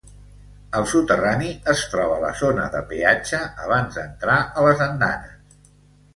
Al soterrani es troba la zona de peatge abans d'entrar a les andanes.